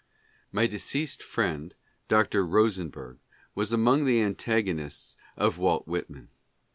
My deceased friend, Dr. Rosenberg, was among the antago nists of Walt Whitman.